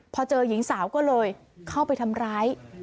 พอเจอหญิงสาวก็เลยเข้าไปทำร้าย